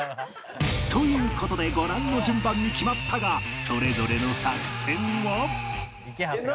という事でご覧の順番に決まったがそれぞれの作戦は？